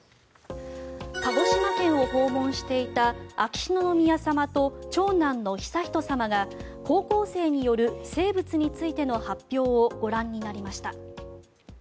鹿児島県を訪問していた秋篠宮さまと長男の悠仁さまが高校生による生物についての発表をご覧になりました。